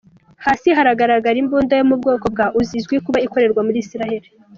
Hasi hagaragara imbunda yo mu bwoko bwa Uzi, izwi kuba ikorerwa muri Israel.